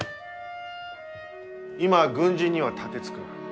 今は軍人には盾つくな。